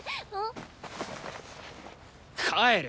帰る。